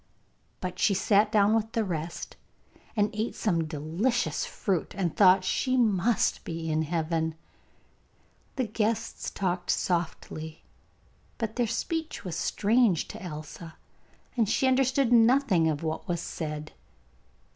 But she sat down with the rest, and ate some delicious fruit, and thought she must be in heaven. The guests talked softly, but their speech was strange to Elsa, and she understood nothing of what was said.